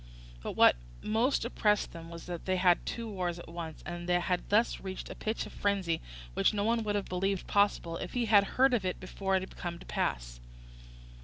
But what most oppressed them was that they had two wars at once, and had thus reached a pitch of frenzy which no one would have believed possible if he had heard of it before it had come to pass.